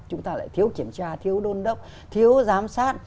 chúng ta lại thiếu kiểm tra thiếu đôn đốc thiếu giám sát